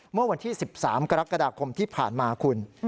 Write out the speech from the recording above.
เมื่อวันที่๑๓กรกฎาคมที่ผ่านมาคุณ